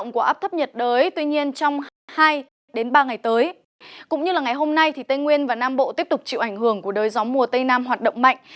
cũng như ngày hôm nay tây nguyên và nam bộ tiếp tục chịu ảnh hưởng của đới gió mùa tây nam hoạt động mạnh